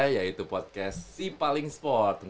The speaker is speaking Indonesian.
yaitu podcast sipaling sport